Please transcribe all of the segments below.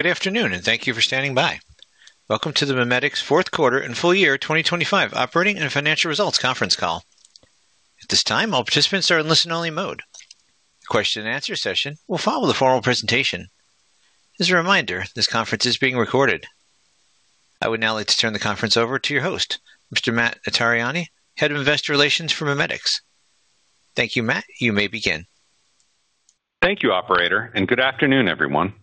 Good afternoon, and thank you for standing by. Welcome to the MIMEDX fourth quarter and full year 2025 operating and financial results conference call. At this time, all participants are in listen-only mode. The question and answer session will follow the formal presentation. As a reminder, this conference is being recorded. I would now like to turn the conference over to your host, Mr. Matt Notarianni, Head of Investor Relations for MIMEDX. Thank you, Matt. You may begin. Thank you, Operator, good afternoon, everyone.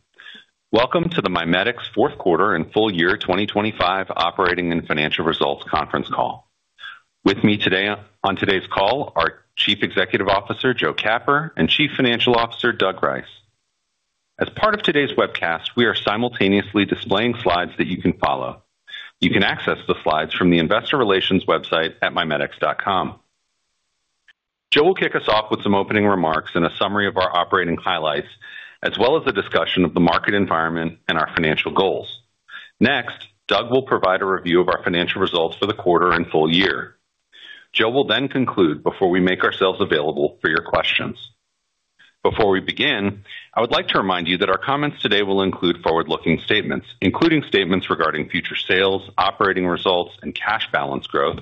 Welcome to the MIMEDX fourth quarter and full year 2025 operating and financial results conference call. With me today, on today's call, are Chief Executive Officer, Joe Capper, and Chief Financial Officer, Doug Rice. As part of today's webcast, we are simultaneously displaying slides that you can follow. You can access the slides from the investor relations website at mimedx.com. Joe will kick us off with some opening remarks and a summary of our operating highlights, as well as a discussion of the market environment and our financial goals. Doug will provide a review of our financial results for the quarter and full year. Joe will conclude before we make ourselves available for your questions. Before we begin, I would like to remind you that our comments today will include forward-looking statements, including statements regarding future sales, operating results and cash balance growth,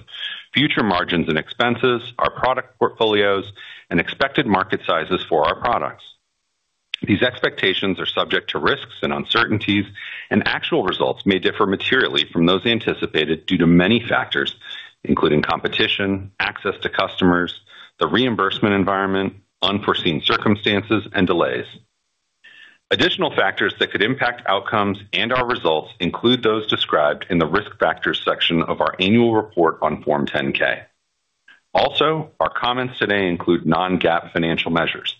future margins and expenses, our product portfolios, and expected market sizes for our products. These expectations are subject to risks and uncertainties, and actual results may differ materially from those anticipated due to many factors, including competition, access to customers, the reimbursement environment, unforeseen circumstances and delays. Additional factors that could impact outcomes and our results include those described in the Risk Factors section of our annual report on Form 10-K. Our comments today include non-GAAP financial measures,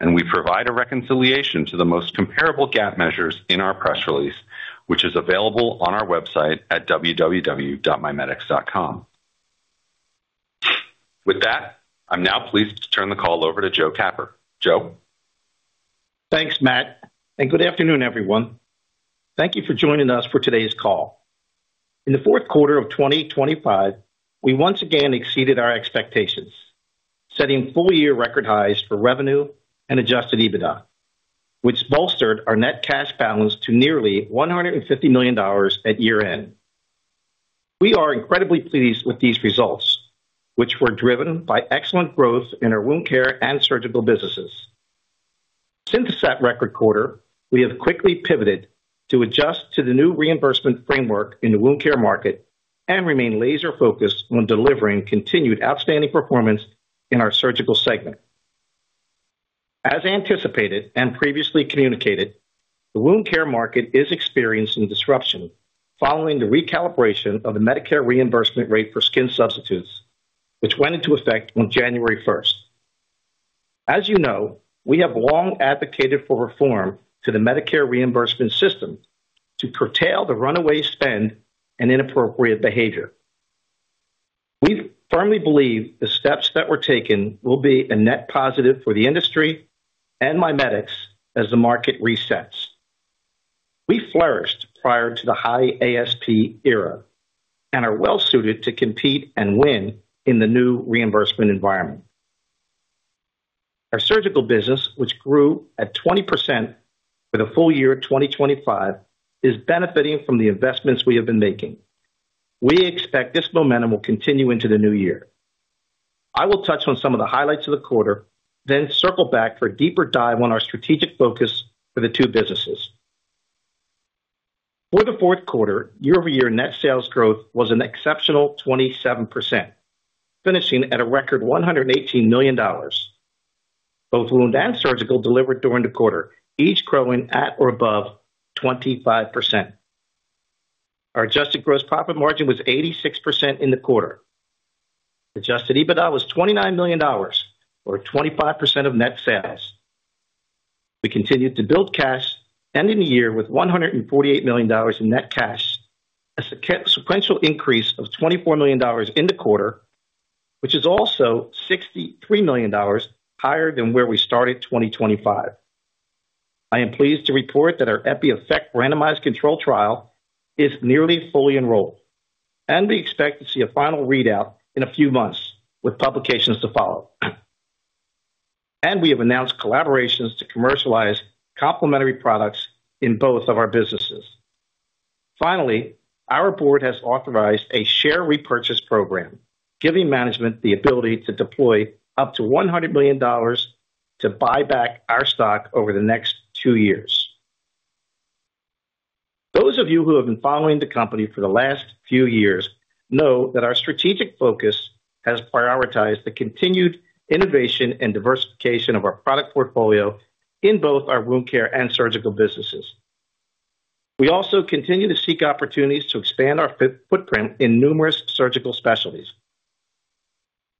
and we provide a reconciliation to the most comparable GAAP measures in our press release, which is available on our website at www.mimedx.com. With that, I'm now pleased to turn the call over to Joe Capper. Joe? Thanks, Matt. Good afternoon, everyone. Thank you for joining us for today's call. In the fourth quarter of 2025, we once again exceeded our expectations, setting full-year record highs for revenue and adjusted EBITDA, which bolstered our net cash balance to nearly $150 million at year-end. We are incredibly pleased with these results, which were driven by excellent growth in our wound care and surgical businesses. Since that record quarter, we have quickly pivoted to adjust to the new reimbursement framework in the wound care market and remain laser focused on delivering continued outstanding performance in our surgical segment. As anticipated and previously communicated, the wound care market is experiencing disruption following the recalibration of the Medicare reimbursement rate for skin substitutes, which went into effect on January 1st. As you know, we have long advocated for reform to the Medicare reimbursement system to curtail the runaway spend and inappropriate behavior. We firmly believe the steps that were taken will be a net positive for the industry and MIMEDX as the market resets. We flourished prior to the high ASP era and are well suited to compete and win in the new reimbursement environment. Our surgical business, which grew at 20% for the full year 2025, is benefiting from the investments we have been making. We expect this momentum will continue into the new year. I will touch on some of the highlights of the quarter, then circle back for a deeper dive on our strategic focus for the two businesses. For the fourth quarter, year-over-year net sales growth was an exceptional 27%, finishing at a record $118 million. Both wound and surgical delivered during the quarter, each growing at or above 25%. Our adjusted gross profit margin was 86% in the quarter. Adjusted EBITDA was $29 million, or 25% of net sales. We continued to build cash, ending the year with $148 million in net cash, a sequential increase of $24 million in the quarter, which is also $63 million higher than where we started 2025. I am pleased to report that our EPIEFFECT randomized control trial is nearly fully enrolled, and we expect to see a final readout in a few months, with publications to follow. We have announced collaborations to commercialize complementary products in both of our businesses. Finally, our board has authorized a share repurchase program, giving management the ability to deploy up to $100 million to buy back our stock over the next 2 years. Those of you who have been following the company for the last few years know that our strategic focus has prioritized the continued innovation and diversification of our product portfolio in both our wound care and surgical businesses. We also continue to seek opportunities to expand our footprint in numerous surgical specialties.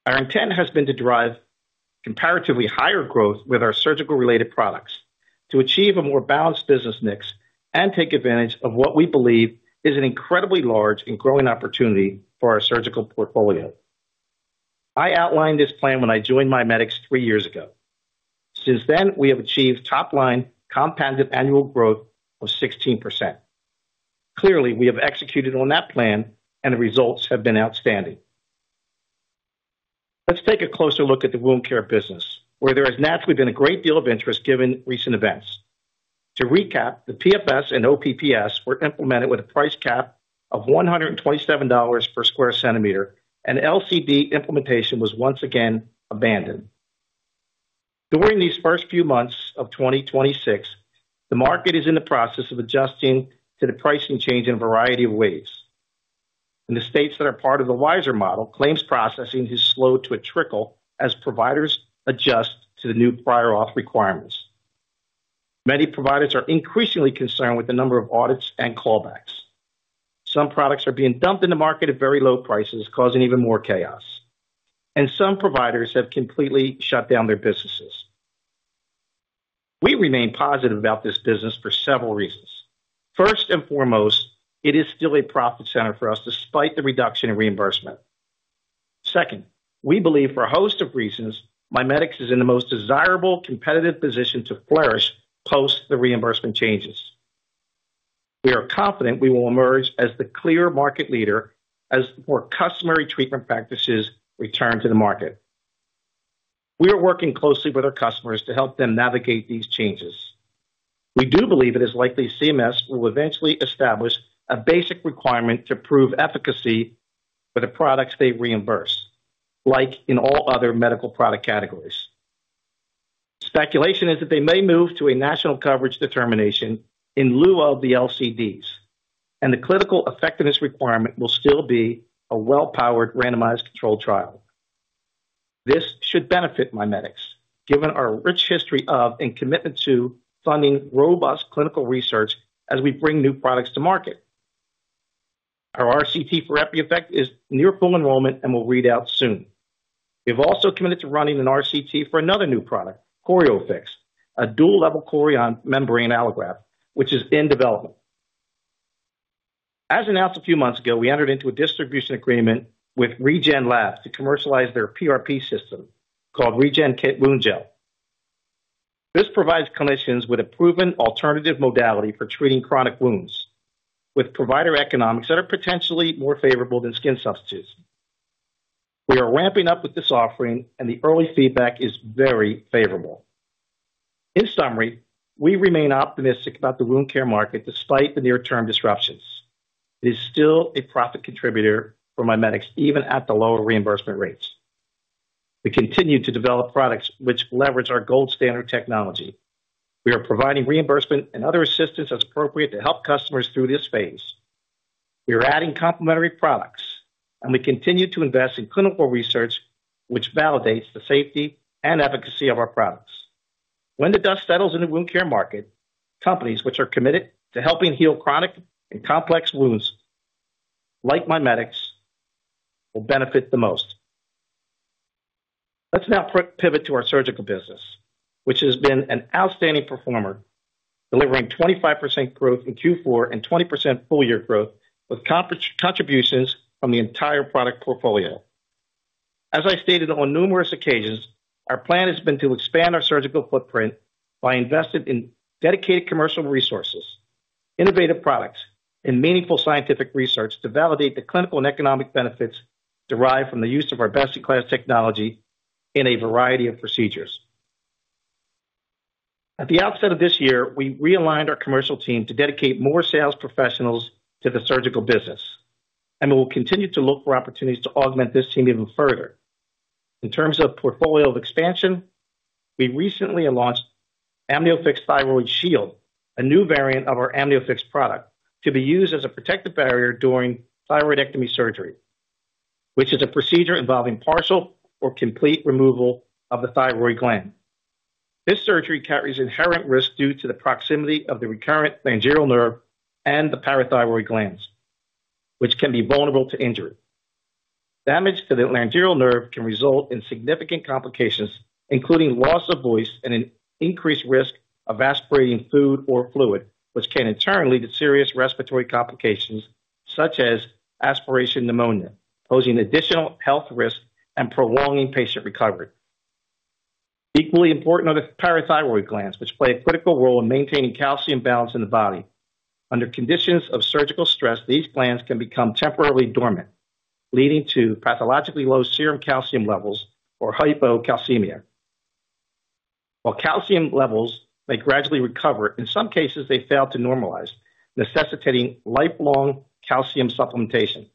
Our intent has been to drive comparatively higher growth with our surgical-related products, to achieve a more balanced business mix and take advantage of what we believe is an incredibly large and growing opportunity for our surgical portfolio. I outlined this plan when I joined MIMEDX three years ago. Since then, we have achieved top-line compounded annual growth of 16%. Clearly, we have executed on that plan. The results have been outstanding. Let's take a closer look at the wound care business, where there has naturally been a great deal of interest given recent events. To recap, the PFS and OPPS were implemented with a price cap of $127 per square centimeter. LCD implementation was once again abandoned. During these first few months of 2026, the market is in the process of adjusting to the pricing change in a variety of ways. In the states that are part of the WISeR model, claims processing has slowed to a trickle as providers adjust to the new prior auth requirements. Many providers are increasingly concerned with the number of audits and callbacks. Some products are being dumped in the market at very low prices, causing even more chaos. Some providers have completely shut down their businesses. We remain positive about this business for several reasons. First and foremost, it is still a profit center for us despite the reduction in reimbursement. Second, we believe for a host of reasons, MIMEDX is in the most desirable, competitive position to flourish post the reimbursement changes. We are confident we will emerge as the clear market leader as more customary treatment practices return to the market. We are working closely with our customers to help them navigate these changes. We do believe it is likely CMS will eventually establish a basic requirement to prove efficacy for the products they reimburse, like in all other medical product categories. Speculation is that they may move to a National Coverage Determination in lieu of the LCDs, and the clinical effectiveness requirement will still be a well-powered, randomized controlled trial. This should benefit MIMEDX, given our rich history of and commitment to funding robust clinical research as we bring new products to market. Our RCT for EPIEFFECT is near full enrollment and will read out soon. We've also committed to running an RCT for another new product, CHORIOFIX, a dual level chorion membrane allograft, which is in development. As announced a few months ago, we entered into a distribution agreement with RegenLab to commercialize their PRP system called RegenKit-Wound Gel. This provides clinicians with a proven alternative modality for treating chronic wounds, with provider economics that are potentially more favorable than skin substitutes. We are ramping up with this offering and the early feedback is very favorable. In summary, we remain optimistic about the wound care market despite the near term disruptions. It is still a profit contributor for MIMEDX, even at the lower reimbursement rates. We continue to develop products which leverage our gold standard technology. We are providing reimbursement and other assistance as appropriate to help customers through this phase. We are adding complementary products, and we continue to invest in clinical research, which validates the safety and efficacy of our products. When the dust settles in the wound care market, companies which are committed to helping heal chronic and complex wounds, like MIMEDX, will benefit the most. Let's now pivot to our surgical business, which has been an outstanding performer, delivering 25% growth in Q4 and 20% full year growth, with contributions from the entire product portfolio. As I stated on numerous occasions, our plan has been to expand our surgical footprint by investing in dedicated commercial resources, innovative products and meaningful scientific research to validate the clinical and economic benefits derived from the use of our best-in-class technology in a variety of procedures. At the outset of this year, we realigned our commercial team to dedicate more sales professionals to the surgical business, and we will continue to look for opportunities to augment this team even further. In terms of portfolio of expansion, we recently launched AMNIOFIX Thyroid Shield, a new variant of our AMNIOFIX product, to be used as a protective barrier during thyroidectomy surgery, which is a procedure involving partial or complete removal of the thyroid gland. This surgery carries inherent risk due to the proximity of the recurrent laryngeal nerve and the parathyroid glands, which can be vulnerable to injury. Damage to the laryngeal nerve can result in significant complications, including loss of voice and an increased risk of aspirating food or fluid, which can in turn lead to serious respiratory complications, such as aspiration pneumonia, posing additional health risks and prolonging patient recovery. Equally important are the parathyroid glands, which play a critical role in maintaining calcium balance in the body. Under conditions of surgical stress, these glands can become temporarily dormant, leading to pathologically low serum calcium levels or hypocalcemia. While calcium levels may gradually recover, in some cases, they fail to normalize, necessitating lifelong calcium supplementation.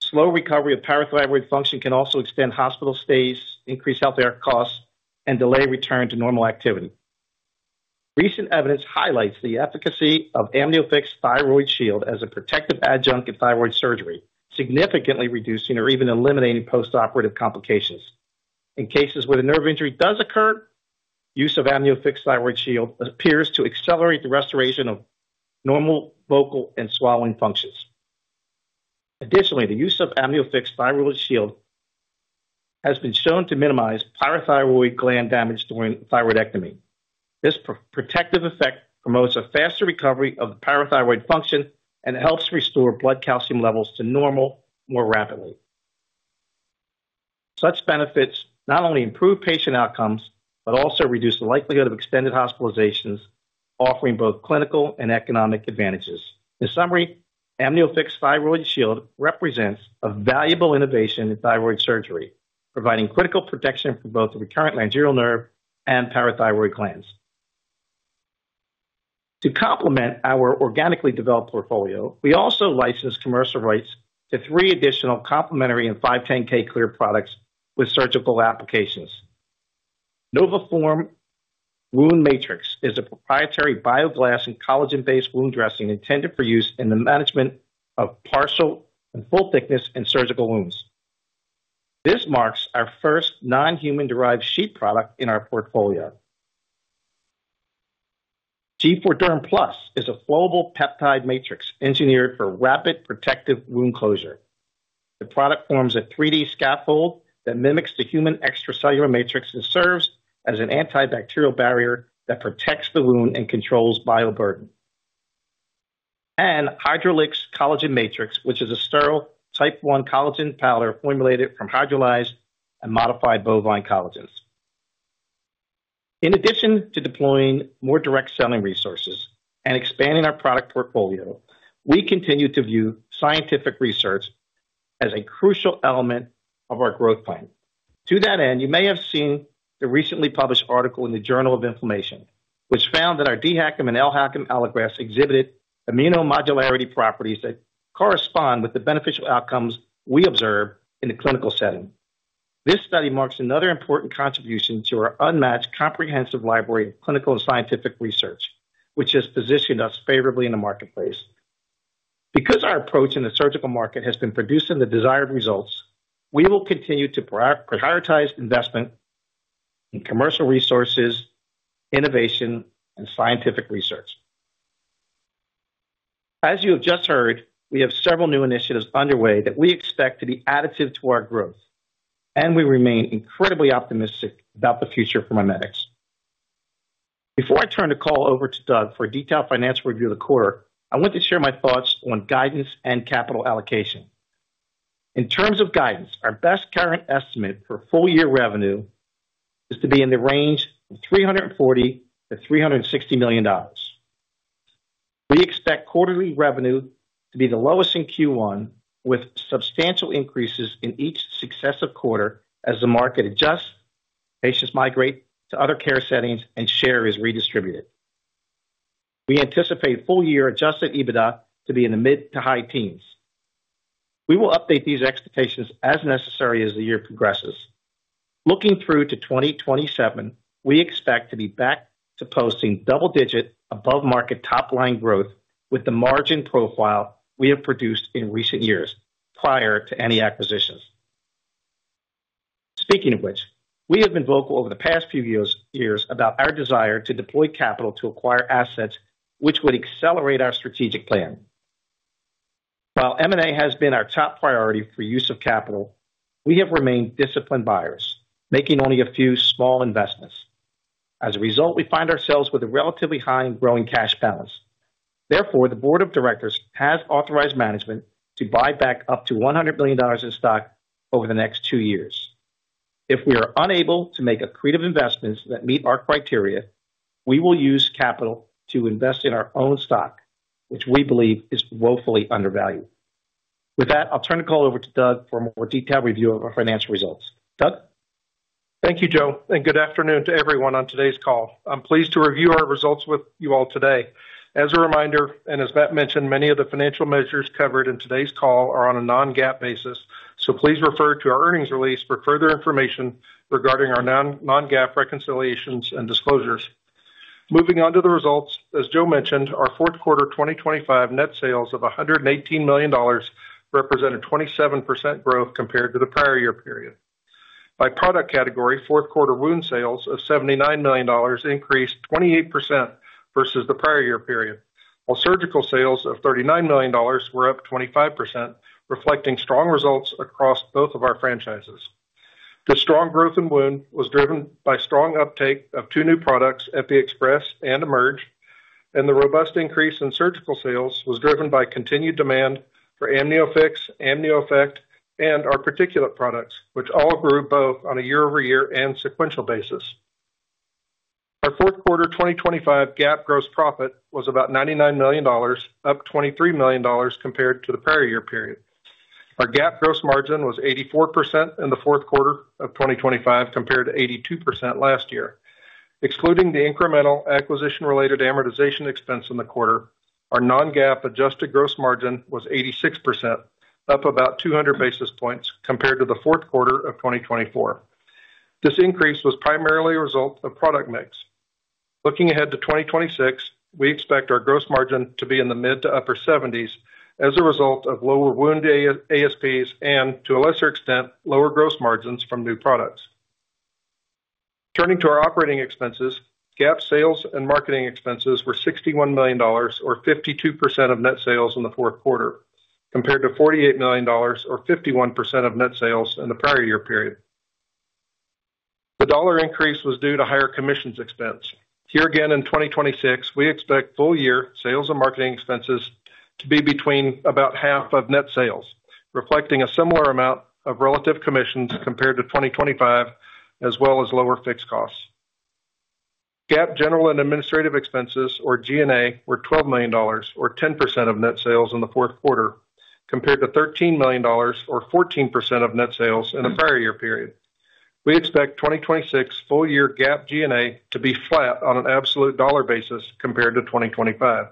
Slow recovery of parathyroid function can also extend hospital stays, increase healthcare costs, and delay return to normal activity. Recent evidence highlights the efficacy of AMNIOFIX Thyroid Shield as a protective adjunct in thyroid surgery, significantly reducing or even eliminating postoperative complications. In cases where the nerve injury does occur, use of AMNIOFIX Thyroid Shield appears to accelerate the restoration of normal vocal and swallowing functions. Additionally, the use of AMNIOFIX Thyroid Shield has been shown to minimize parathyroid gland damage during thyroidectomy. This pro-protective effect promotes a faster recovery of the parathyroid function and helps restore blood calcium levels to normal more rapidly. Such benefits not only improve patient outcomes, but also reduce the likelihood of extended hospitalizations. offering both clinical and economic advantages. In summary, AMNIOFIX Thyroid Shield represents a valuable innovation in thyroid surgery, providing critical protection for both the recurrent laryngeal nerve and parathyroid glands. To complement our organically developed portfolio, we also licensed commercial rights to three additional complementary and 510(k) clear products with surgical applications. NovaForm Wound Matrix is a proprietary Bioglass and collagen-based wound dressing intended for use in the management of partial and full thickness and surgical wounds. This marks our first non-human derived sheet product in our portfolio. G4Derm Plus is a flowable peptide matrix engineered for rapid protective wound closure. The product forms a 3D scaffold that mimics the human extracellular matrix and serves as an antibacterial barrier that protects the wound and controls bioburden. Hydrelix Collagen Matrix, which is a sterile type 1 collagen powder formulated from hydrolyzed and modified bovine collagens. In addition to deploying more direct selling resources and expanding our product portfolio, we continue to view scientific research as a crucial element of our growth plan. To that end, you may have seen the recently published article in the Journal of Inflammation, which found that our DHACAM and LHACAM allografts exhibited immunomodularity properties that correspond with the beneficial outcomes we observe in a clinical setting. This study marks another important contribution to our unmatched, comprehensive library of clinical and scientific research, which has positioned us favorably in the marketplace. Because our approach in the surgical market has been producing the desired results, we will continue to prioritize investment in commercial resources, innovation, and scientific research. As you have just heard, we have several new initiatives underway that we expect to be additive to our growth, and we remain incredibly optimistic about the future for MIMEDX. Before I turn the call over to Doug for a detailed financial review of the quarter, I want to share my thoughts on guidance and capital allocation. In terms of guidance, our best current estimate for full year revenue is to be in the range of $340 million-$360 million. We expect quarterly revenue to be the lowest in Q1, with substantial increases in each successive quarter as the market adjusts, patients migrate to other care settings and share is redistributed. We anticipate full year adjusted EBITDA to be in the mid to high teens. We will update these expectations as necessary as the year progresses. Looking through to 2027, we expect to be back to posting double digit above market top line growth with the margin profile we have produced in recent years prior to any acquisitions. Speaking of which, we have been vocal over the past few years about our desire to deploy capital to acquire assets which would accelerate our strategic plan. While M&A has been our top priority for use of capital, we have remained disciplined buyers, making only a few small investments. As a result, we find ourselves with a relatively high and growing cash balance. Therefore, the board of directors has authorized management to buy back up to $100 million in stock over the next two years. If we are unable to make accretive investments that meet our criteria, we will use capital to invest in our own stock, which we believe is woefully undervalued. With that, I'll turn the call over to Doug for a more detailed review of our financial results. Doug? Thank you, Joe. Good afternoon to everyone on today's call. I'm pleased to review our results with you all today. As a reminder, and as Matt mentioned, many of the financial measures covered in today's call are on a non-GAAP basis, so please refer to our earnings release for further information regarding our non-GAAP reconciliations and disclosures. Moving on to the results. As Joe mentioned, our fourth quarter 2025 net sales of $118 million represented 27% growth compared to the prior year period. By product category, fourth quarter wound sales of $79 million increased 28% versus the prior year period, while surgical sales of $39 million were up 25%, reflecting strong results across both of our franchises. The strong growth in wound was driven by strong uptake of two new products, EPIXPRESS and EMERGE, and the robust increase in surgical sales was driven by continued demand for AMNIOFIX, AMNIOEFFECT, and our particulate products, which all grew both on a year-over-year and sequential basis. Our fourth quarter 2025 GAAP gross profit was about $99 million, up $23 million compared to the prior year period. Our GAAP gross margin was 84% in the fourth quarter of 2025, compared to 82% last year. Excluding the incremental acquisition-related amortization expense in the quarter, our non-GAAP adjusted gross margin was 86%, up about 200 basis points compared to the fourth quarter of 2024. This increase was primarily a result of product mix. Looking ahead to 2026, we expect our gross margin to be in the mid-to-upper 70s as a result of lower wound ASPs and, to a lesser extent, lower gross margins from new products. Turning to our operating expenses, GAAP sales and marketing expenses were $61 million, or 52% of net sales in the fourth quarter, compared to $48 million or 51% of net sales in the prior year period. The dollar increase was due to higher commissions expense. Here again, in 2026, we expect full year sales and marketing expenses to be between about half of net sales, reflecting a similar amount of relative commissions compared to 2025, as well as lower fixed costs. GAAP general and administrative expenses, or G&A, were $12 million, or 10% of net sales in the fourth quarter, compared to $13 million, or 14% of net sales in the prior year period. We expect 2026 full year GAAP G&A to be flat on an absolute dollar basis compared to 2025.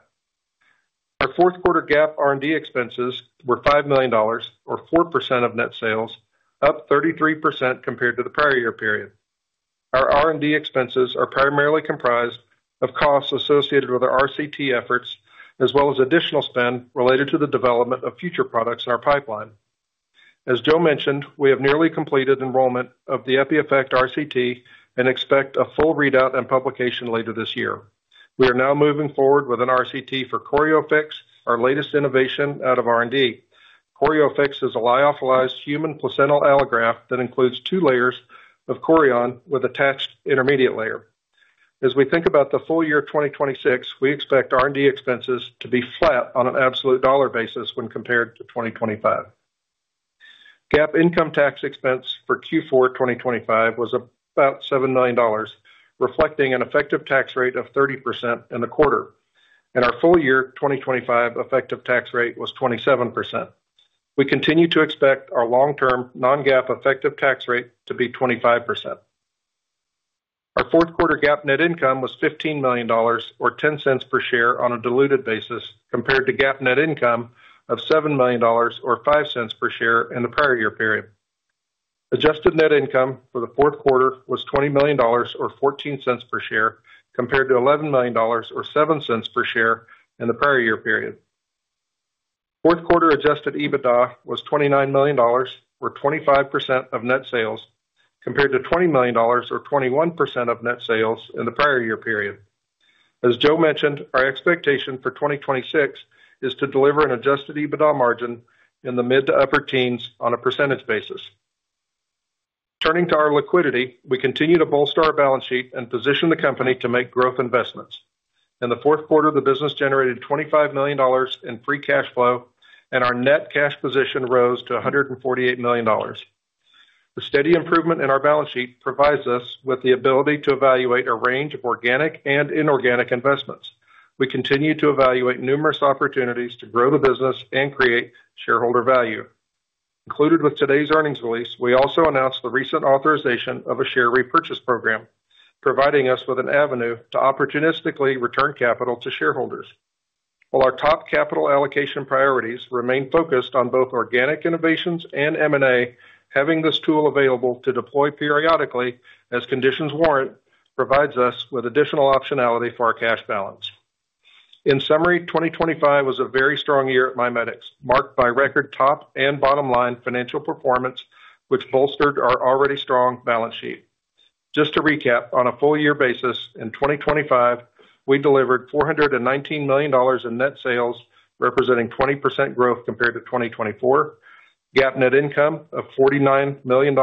Our fourth quarter GAAP R&D expenses were $5 million, or 4% of net sales, up 33% compared to the prior year period. Our R&D expenses are primarily comprised of costs associated with our RCT efforts, as well as additional spend related to the development of future products in our pipeline. As Joe mentioned, we have nearly completed enrollment of the EPIEFFECT RCT and expect a full readout and publication later this year. We are now moving forward with an RCT for CHORIOFIX, our latest innovation out of R&D. CHORIOFIX is a lyophilized human placental allograft that includes two layers of chorion with attached intermediate layer. We think about the full year 2026, we expect R&D expenses to be flat on an absolute dollar basis when compared to 2025. GAAP income tax expense for Q4 2025 was about $7 million, reflecting an effective tax rate of 30% in the quarter. Our full year 2025 effective tax rate was 27%. We continue to expect our long-term non-GAAP effective tax rate to be 25%. Our fourth quarter GAAP net income was $15 million, or $0.10 per share on a diluted basis, compared to GAAP net income of $7 million, or $0.05 per share in the prior year period. Adjusted net income for the fourth quarter was $20 million, or $0.14 per share, compared to $11 million, or $0.07 per share in the prior year period. Fourth quarter adjusted EBITDA was $29 million or 25% of net sales, compared to $20 million or 21% of net sales in the prior year period. As Joe mentioned, our expectation for 2026 is to deliver an adjusted EBITDA margin in the mid to upper teens on a percentage basis. Turning to our liquidity, we continue to bolster our balance sheet and position the company to make growth investments. In the fourth quarter, the business generated $25 million in free cash flow, and our net cash position rose to $148 million. The steady improvement in our balance sheet provides us with the ability to evaluate a range of organic and inorganic investments. We continue to evaluate numerous opportunities to grow the business and create shareholder value. Included with today's earnings release, we also announced the recent authorization of a share repurchase program, providing us with an avenue to opportunistically return capital to shareholders. While our top capital allocation priorities remain focused on both organic innovations and M&A, having this tool available to deploy periodically as conditions warrant, provides us with additional optionality for our cash balance. In summary, 2025 was a very strong year at MIMEDX, marked by record top and bottom line financial performance, which bolstered our already strong balance sheet. Just to recap, on a full year basis, in 2025, we delivered $419 million in net sales, representing 20% growth compared to 2024, GAAP net income of $49 million,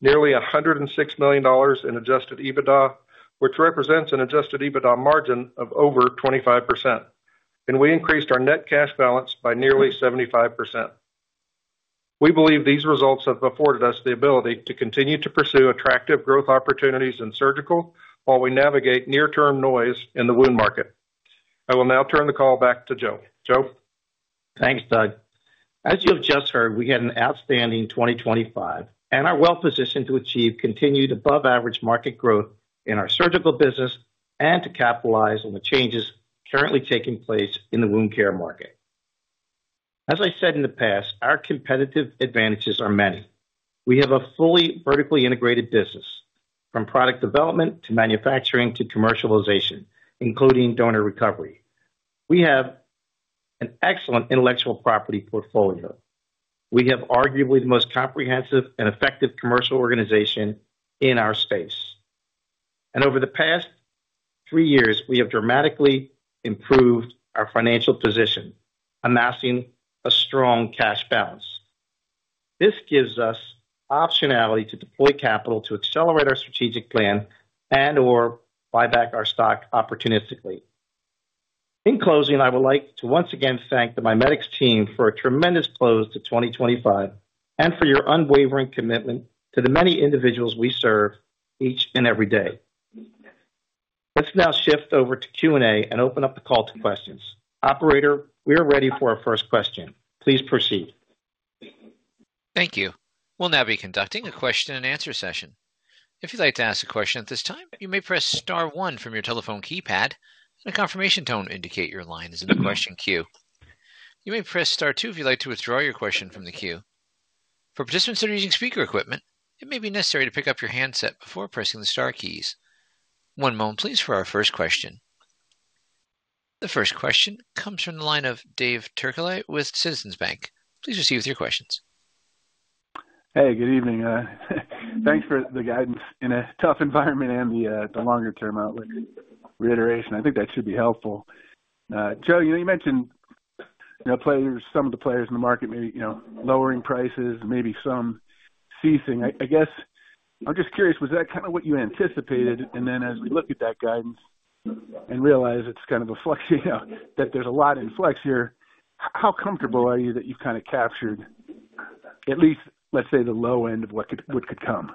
nearly $106 million in adjusted EBITDA, which represents an adjusted EBITDA margin of over 25%, and we increased our net cash balance by nearly 75%. We believe these results have afforded us the ability to continue to pursue attractive growth opportunities in surgical while we navigate near-term noise in the wound market. I will now turn the call back to Joe. Joe? Thanks, Doug. As you have just heard, we had an outstanding 2025 and are well positioned to achieve continued above average market growth in our surgical business and to capitalize on the changes currently taking place in the wound care market. As I said in the past, our competitive advantages are many. We have a fully vertically integrated business, from product development to manufacturing to commercialization, including donor recovery. We have an excellent intellectual property portfolio. We have arguably the most comprehensive and effective commercial organization in our space, and over the past three years, we have dramatically improved our financial position, amassing a strong cash balance. This gives us optionality to deploy capital to accelerate our strategic plan and/or buy back our stock opportunistically. In closing, I would like to once again thank the MIMEDX team for a tremendous close to 2025 and for your unwavering commitment to the many individuals we serve each and every day. Let's now shift over to Q&A and open up the call to questions. Operator, we are ready for our first question. Please proceed. Thank you. We'll now be conducting a question and answer session. If you'd like to ask a question at this time, you may press star one from your telephone keypad, and a confirmation tone indicate your line is in the question queue. You may press star two if you'd like to withdraw your question from the queue. For participants that are using speaker equipment, it may be necessary to pick up your handset before pressing the star keys. One moment, please, for our first question. The first question comes from the line of David Turcotte with Citizens Bank. Please proceed with your questions. Hey, good evening. Thanks for the guidance in a tough environment and the longer-term outlook reiteration. I think that should be helpful. Joe, you know, you mentioned, you know, players, some of the players in the market may be, you know, lowering prices, maybe ceasing. I guess, I'm just curious, was that kind of what you anticipated? As we look at that guidance and realize it's kind of a flex, you know, that there's a lot in flex here, how comfortable are you that you've kind of captured at least, let's say, the low end of what could come?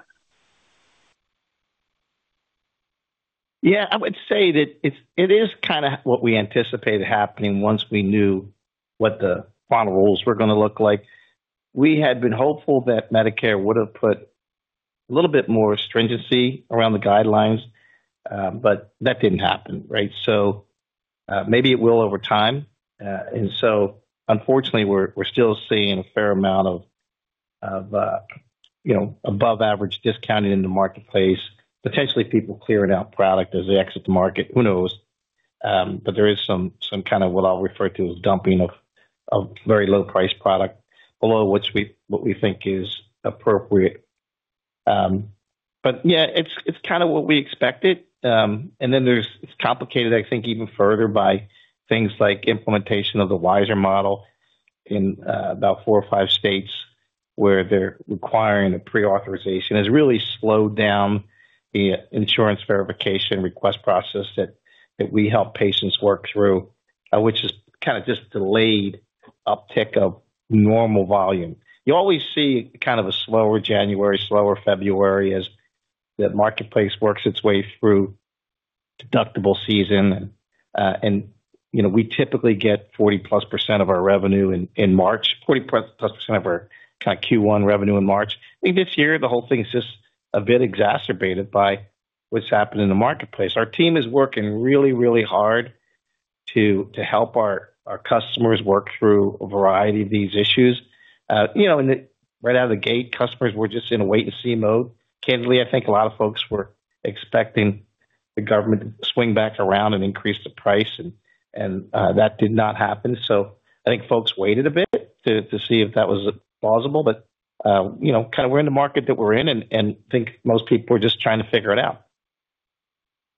Yeah, I would say that it is kind of what we anticipated happening once we knew what the final rules were going to look like. We had been hopeful that Medicare would have put a little bit more stringency around the guidelines, that didn't happen, right? Maybe it will over time. Unfortunately, we're still seeing a fair amount of, you know, above average discounting in the marketplace. Potentially, people clearing out product as they exit the market, who knows? There is some kind of what I'll refer to as dumping of very low-priced product below what we think is appropriate. Yeah, it's kind of what we expected. It's complicated, I think, even further by things like implementation of the WISeR model in 4 or 5 states where they're requiring a pre-authorization, has really slowed down the insurance verification request process that we help patients work through, which has kind of just delayed uptick of normal volume. You always see kind of a slower January, slower February as the marketplace works its way through deductible season. You know, we typically get 40+% of our revenue in March, 40+% of our kind of Q1 revenue in March. I think this year, the whole thing is just a bit exacerbated by what's happened in the marketplace. Our team is working really hard to help our customers work through a variety of these issues. You know, right out of the gate, customers were just in a wait-and-see mode. Candidly, I think a lot of folks were expecting the government to swing back around and increase the price, and that did not happen. I think folks waited a bit to see if that was plausible. You know, kind of we're in the market that we're in, and think most people are just trying to figure it out.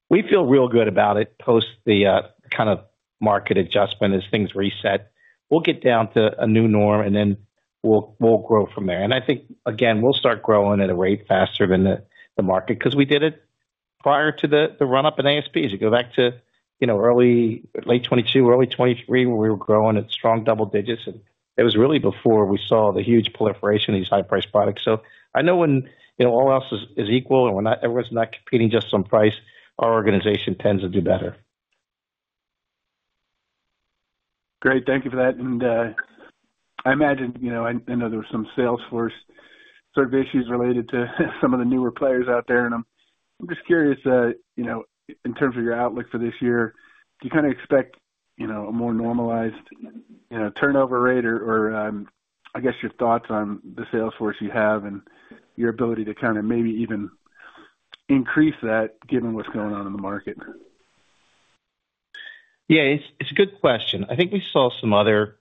We feel real good about it post the kind of market adjustment. As things reset, we'll get down to a new norm, and then we'll grow from there. I think, again, we'll start growing at a rate faster than the market because we did it prior to the run-up in ASPs. You go back to, you know, early, late 2022 or early 2023, where we were growing at strong double digits, and it was really before we saw the huge proliferation of these high-priced products. I know when, you know, all else is equal and everyone's not competing just on price, our organization tends to do better. Great. Thank you for that. I imagine, you know, I know there were some sales force sort of issues related to some of the newer players out there, I'm just curious, you know, in terms of your outlook for this year, do you kind of expect, you know, a more normalized, you know, turnover rate? Or, I guess, your thoughts on the sales force you have and your ability to kind of maybe even increase that, given what's going on in the market? Yeah, it's a good question. I think we saw some other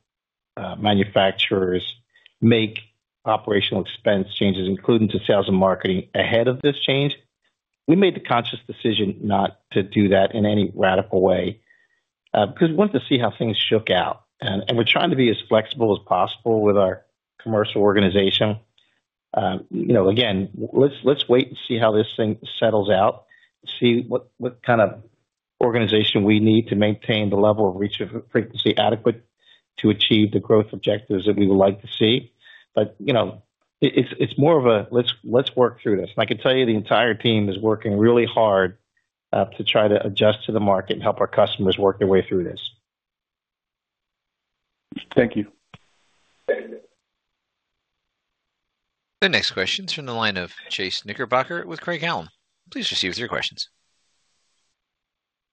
manufacturers make operational expense changes, including to sales and marketing, ahead of this change. We made the conscious decision not to do that in any radical way, because we wanted to see how things shook out. We're trying to be as flexible as possible with our commercial organization. You know, again, let's wait and see how this thing settles out, see what kind of organization we need to maintain the level of reach and frequency adequate to achieve the growth objectives that we would like to see. You know, it's more of a let's work through this. I can tell you, the entire team is working really hard to try to adjust to the market and help our customers work their way through this. Thank you. Thank you. The next question is from the line of Chase Knickerbocker with Craig-Hallum Capital Group. Please proceed with your questions.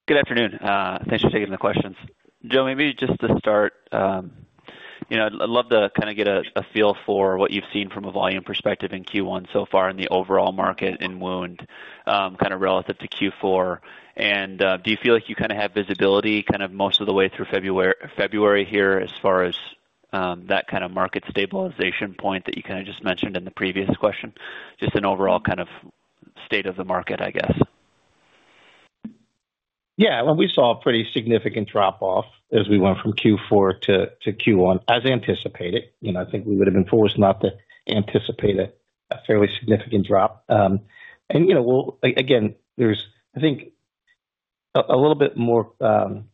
Good afternoon. Thanks for taking the questions. Joe, maybe just to start, you know, I'd love to kind of get a feel for what you've seen from a volume perspective in Q1 so far in the overall market in wound, kind of relative to Q4. Do you feel like you kind of have visibility kind of most of the way through February here as far as that kind of market stabilization point that you kind of just mentioned in the previous question? Just an overall kind of state of the market, I guess. Yeah. Well, we saw a pretty significant drop-off as we went from Q4 to Q1, as anticipated. You know, I think we would have been foolish not to anticipate a fairly significant drop. You know, well, again, there's, I think, a little bit more kind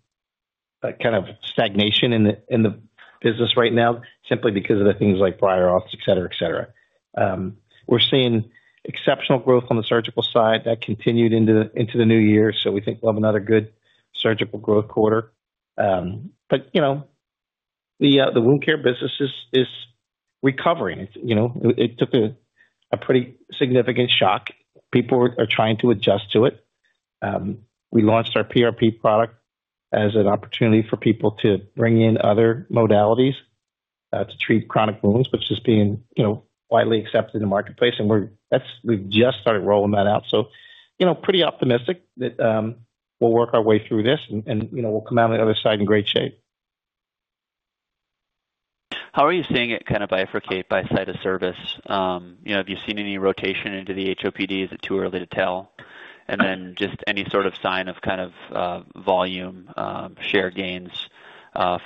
of stagnation in the business right now simply because of the things like prior auths, et cetera, et cetera. We're seeing exceptional growth on the surgical side that continued into the new year, we think we'll have another good surgical growth quarter. You know, the wound care business is recovering. You know, it took a pretty significant shock. People are trying to adjust to it. We launched our PRP product as an opportunity for people to bring in other modalities to treat chronic wounds, which is being, you know, widely accepted in the marketplace. We've just started rolling that out, so, you know, pretty optimistic that we'll work our way through this and, you know, we'll come out on the other side in great shape. How are you seeing it kind of bifurcate by site of service? You know, have you seen any rotation into the HOPD? Is it too early to tell? Just any sort of sign of kind of volume, share gains,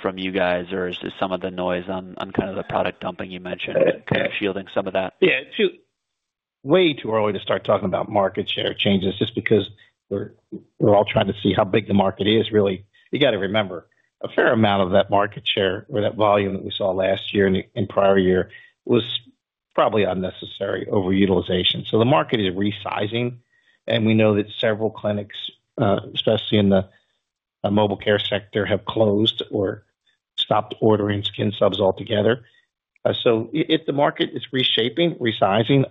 from you guys, or is just some of the noise on kind of the product dumping you mentioned kind of shielding some of that? Yeah, it's way too early to start talking about market share changes just because we're all trying to see how big the market is, really. You got to remember, a fair amount of that market share or that volume that we saw last year and prior year was probably unnecessary overutilization. The market is resizing, and we know that several clinics, especially in the mobile care sector, have closed or stopped ordering skin subs altogether. If the market is reshaping, resizing,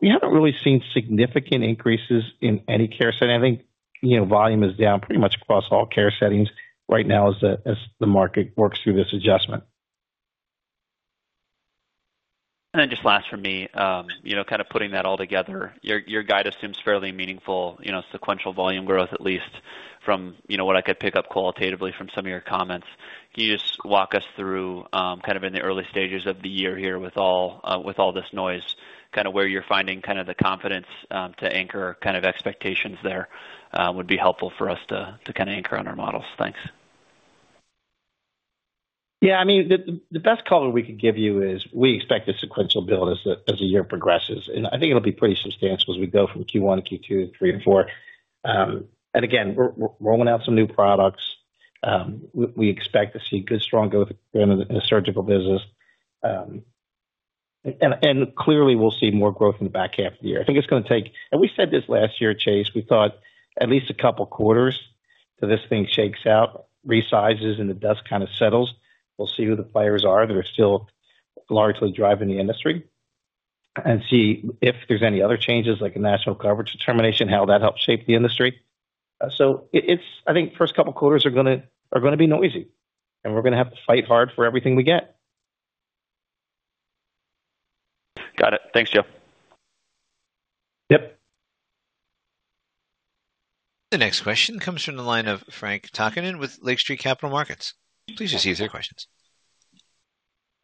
we haven't really seen significant increases in any care setting. I think, you know, volume is down pretty much across all care settings right now as the market works through this adjustment. Just last for me, you know, kind of putting that all together, your guide assumes fairly meaningful, you know, sequential volume growth, at least from, you know, what I could pick up qualitatively from some of your comments. Can you just walk us through, kind of in the early stages of the year here with all, with all this noise, kind of where you're finding kind of the confidence, to anchor kind of expectations there, would be helpful for us to kind of anchor on our models. Thanks. Yeah, I mean, the best color we could give you is we expect a sequential build as the year progresses, and I think it'll be pretty substantial as we go from Q1 to Q2 to Q3 and Q4. Again, we're rolling out some new products. We expect to see good, strong growth in the surgical business. Clearly, we'll see more growth in the back half of the year. I think it's going to take... We said this last year, Chase, we thought at least a couple quarters till this thing shakes out, resizes, and the dust kind of settles. We'll see who the players are that are still largely driving the industry and see if there's any other changes, like a National Coverage Determination, how that helps shape the industry. It's, I think first couple of quarters are gonna be noisy, and we're gonna have to fight hard for everything we get. Got it. Thanks, Joe. Yep. The next question comes from the line of Frank Takkinen with Lake Street Capital Markets. Please just use your questions.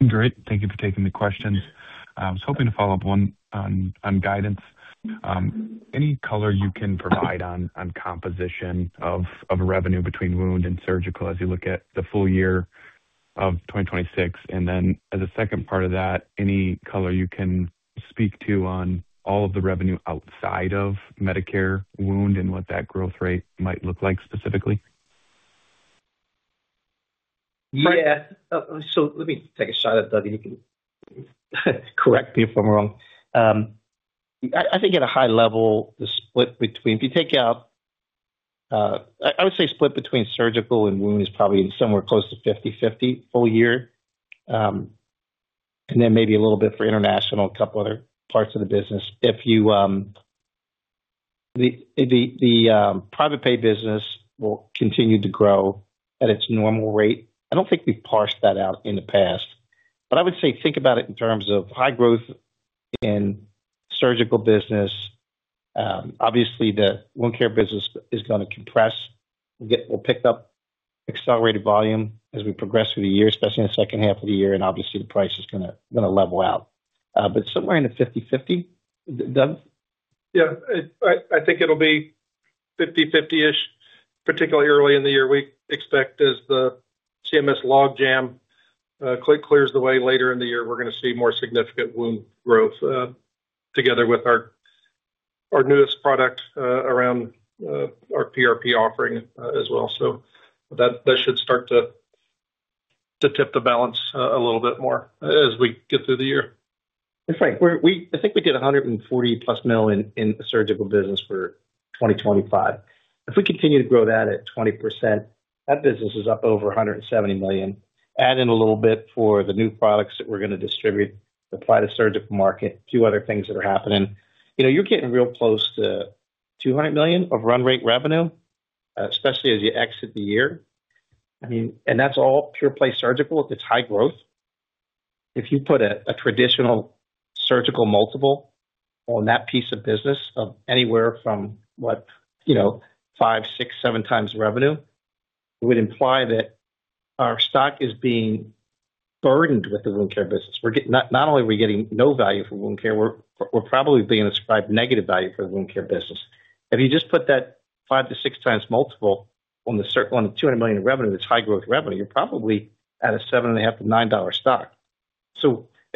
Great, thank you for taking the questions. I was hoping to follow up one on guidance. Any color you can provide on composition of revenue between wound and surgical as you look at the full year of 2026? Then as a second part of that, any color you can speak to on all of the revenue outside of Medicare wound and what that growth rate might look like specifically? Yeah. Let me take a shot at it, Doug, and you can correct me if I'm wrong. I think at a high level, the split between... If you take out, I would say split between surgical and wound is probably somewhere close to 50/50 full year. Then maybe a little bit for international, a couple other parts of the business. If you... The private pay business will continue to grow at its normal rate. I don't think we've parsed that out in the past, but I would say think about it in terms of high growth in surgical business. Obviously, the wound care business is gonna compress. We'll pick up accelerated volume as we progress through the year, especially in the second half of the year, and obviously, the price is gonna level out. Somewhere in the 50/50. Doug? Yeah, it, I think it'll be 50/50-ish, particularly early in the year. We expect as the CMS logjam clears the way later in the year, we're gonna see more significant wound growth together with our newest product around our PRP offering as well. That should start to tip the balance a little bit more as we get through the year. That's right. I think we did $140+ million in surgical business for 2025. If we continue to grow that at 20%, that business is up over $170 million. Add in a little bit for the new products that we're gonna distribute, apply to surgical market, few other things that are happening. You know, you're getting real close to $200 million of run rate revenue, especially as you exit the year. I mean, that's all pure play surgical. It's high growth. If you put a traditional surgical multiple on that piece of business of anywhere from what, you know, 5x, 6x, 7x revenue, it would imply that our stock is being burdened with the wound care business. Not only are we getting no value from wound care, we're probably being ascribed negative value for the wound care business. If you just put that 5-6x multiple on the cert, on the $200 million in revenue, that's high-growth revenue, you're probably at a $7.50-$9 stock. You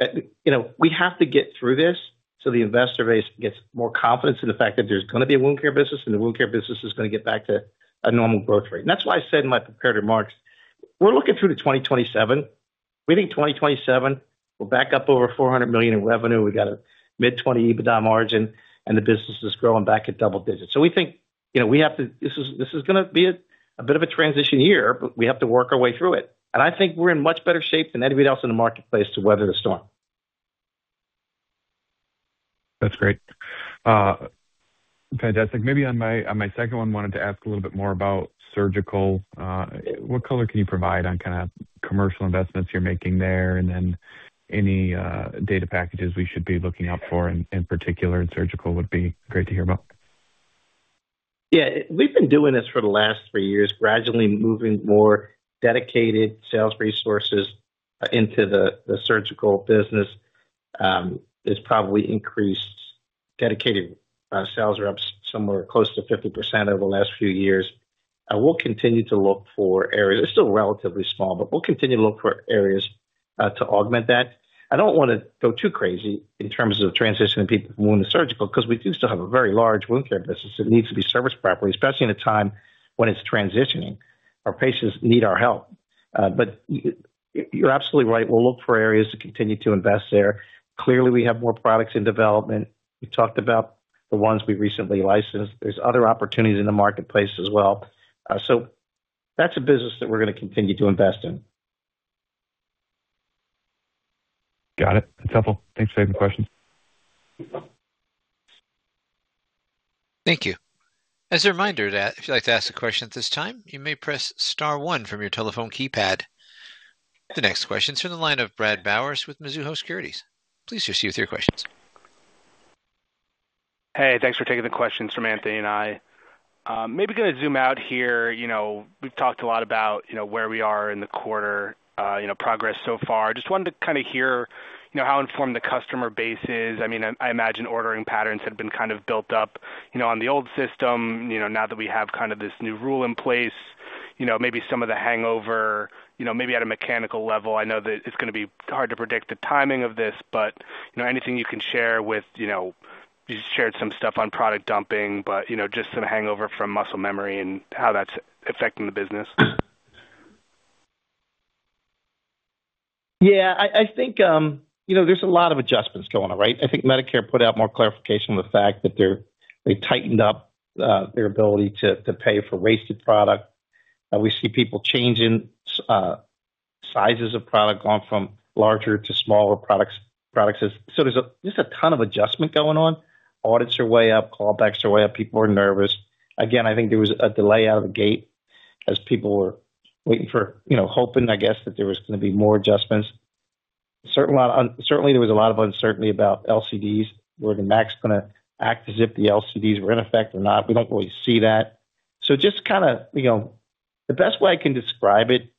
know, we have to get through this so the investor base gets more confidence in the fact that there's gonna be a wound care business, and the wound care business is gonna get back to a normal growth rate. That's why I said in my prepared remarks, we're looking through to 2027. We think 2027, we're back up over $400 million in revenue. We've got a mid-20% EBITDA margin, and the business is growing back at double digits. We think, you know, this is gonna be a bit of a transition year, but we have to work our way through it. I think we're in much better shape than anybody else in the marketplace to weather the storm. That's great. Fantastic. Maybe on my, on my second one, wanted to ask a little bit more about surgical. What color can you provide on kind of commercial investments you're making there? Any data packages we should be looking out for in particular in surgical would be great to hear about? We've been doing this for the last three years, gradually moving more dedicated sales resources into the surgical business. It's probably dedicated sales are up somewhere close to 50% over the last few years. I will continue to look for areas. It's still relatively small, we'll continue to look for areas to augment that. I don't wanna go too crazy in terms of transitioning people from wound to surgical, 'cause we do still have a very large wound care business that needs to be serviced properly, especially in a time when it's transitioning. Our patients need our help. You're absolutely right. We'll look for areas to continue to invest there. Clearly, we have more products in development. We talked about the ones we recently licensed. There's other opportunities in the marketplace as well. That's a business that we're gonna continue to invest in. Got it. That's helpful. Thanks for taking the question. Thank you. As a reminder that if you'd like to ask a question at this time, you may press star one from your telephone keypad. The next question is from the line of Bradley Bowers with Mizuho Securities. Please proceed with your questions. Hey, thanks for taking the questions from Anthony and I. Maybe gonna zoom out here. You know, we've talked a lot about, you know, where we are in the quarter, you know, progress so far. Just wanted to kinda hear, you know, how informed the customer base is. I mean, I imagine ordering patterns have been kind of built up, you know, on the old system. You know, now that we have kind of this new rule in place, you know, maybe some of the hangover, you know, maybe at a mechanical level, I know that it's gonna be hard to predict the timing of this. Anything you can share with, you know. You shared some stuff on product dumping, but, you know, just some hangover from muscle memory and how that's affecting the business? I think, you know, there's a lot of adjustments going on, right? I think Medicare put out more clarification on the fact that they tightened up their ability to pay for wasted product. We see people changing sizes of product, going from larger to smaller products. There's a, there's a ton of adjustment going on. Audits are way up, callbacks are way up. People are nervous. Again, I think there was a delay out of the gate as people were waiting for, you know, hoping, I guess, that there was gonna be more adjustments. A certain amount certainly there was a lot of uncertainty about LCDs, were the MACs gonna act as if the LCDs were in effect or not? We don't really see that. Just kinda, you know, the best way I can describe it,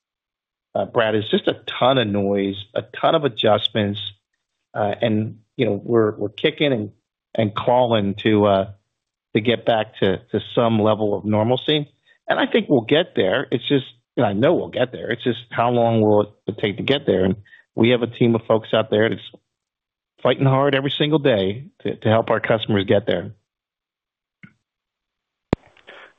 Brad, is just a ton of noise, a ton of adjustments, you know, we're kicking and cing to get back to some level of normalcy. I think we'll get there, it's just. I know we'll get there. It's just how long will it take to get there? We have a team of folks out there that's fighting hard every single day to help our customers get there.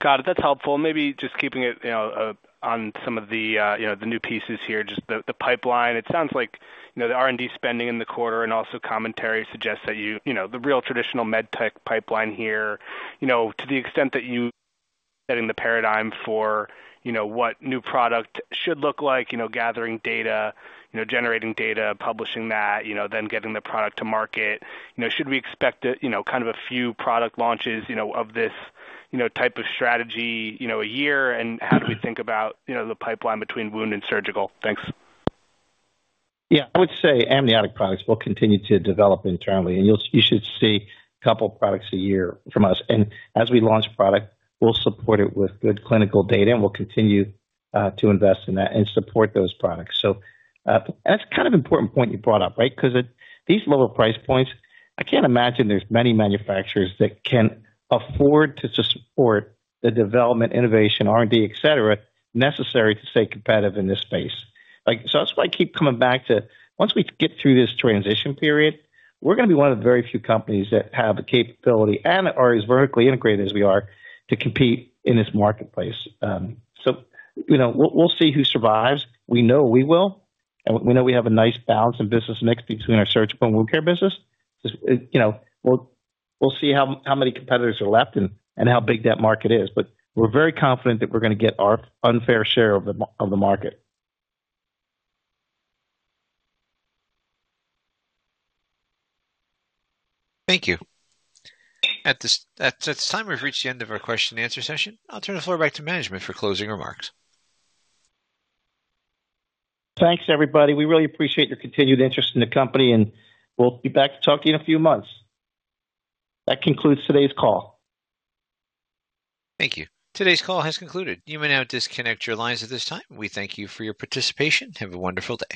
Got it. That's helpful. Maybe just keeping it, you know, on some of the, you know, the new pieces here, just the pipeline. It sounds like, you know, the R&D spending in the quarter and also commentary suggests that you know, the real traditional med tech pipeline here, you know, to the extent that you set in the paradigm for, you know, what new product should look like, you know, gathering data, you know, generating data, publishing that, you know, then getting the product to market, you know, should we expect it, you know, kind of a few product launches, you know, of this, you know, type of strategy, you know, a year? How do we think about, you know, the pipeline between wound and surgical? Thanks. Yeah, I would say amniotic products will continue to develop internally, and you'll, you should see a couple products a year from us. As we launch product, we'll support it with good clinical data, and we'll continue to invest in that and support those products. That's kind of important point you brought up, right? Because at these lower price points, I can't imagine there's many manufacturers that can afford to support the development, innovation, R&D, et cetera, necessary to stay competitive in this space. That's why I keep coming back to, once we get through this transition period, we're gonna be one of the very few companies that have the capability and are as vertically integrated as we are to compete in this marketplace. You know, we'll see who survives. We know we will, and we know we have a nice balance of business mix between our surgical and wound care business. Just, you know, we'll see how many competitors are left and how big that market is. We're very confident that we're gonna get our unfair share of the market. Thank you. At this time, we've reached the end of our question and answer session. I'll turn the floor back to management for closing remarks. Thanks, everybody. We really appreciate your continued interest in the company. We'll be back to talk to you in a few months. That concludes today's call. Thank you. Today's call has concluded. You may now disconnect your lines at this time. We thank you for your participation. Have a wonderful day.